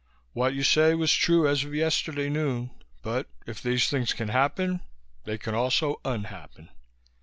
"What you say was true as of yesterday noon but if these things can happen, they can also un happen.